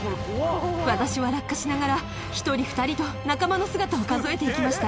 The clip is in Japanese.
私は落下しながら１人２人と仲間の姿を数えて行きました。